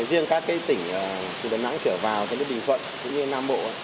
riêng các tỉnh từ đà nẵng trở vào nước bình thuận cũng như nam bộ